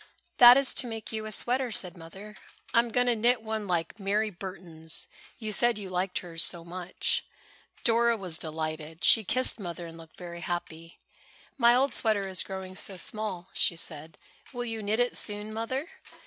"That is to make you a sweater," said Mother. "I am going to knit one like Mary Burton's. You said you liked hers so much." Dora was delighted. She kissed Mother and looked very happy. "My old sweater is growing so small," she said. "Will you knit it soon, Mother?"